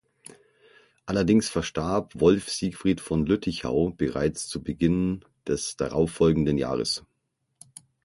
Allerdings verstarb Wolf Siegfried von Lüttichau bereits zu Beginn des darauffolgenden Jahres.